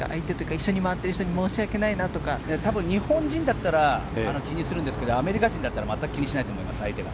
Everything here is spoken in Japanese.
一緒に回っている人に日本人だったら気にするんですけどアメリカ人だったら相手は全く気にしないと思います。